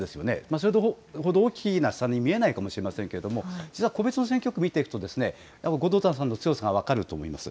それほど大きな差に見えないかもしれませんけれども、実は、個別の選挙区を見ていくとですね、後藤田さんの強さが分かると思います。